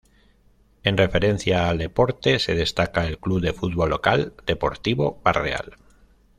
En referencia al deporte, se destaca el club de fútbol local "Deportivo Barreal".